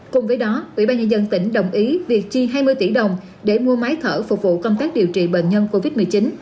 cùng với đó ubnd tỉnh đồng ý việc chi hai mươi tỷ đồng để mua máy thở phục vụ công tác điều trị bệnh nhân covid một mươi chín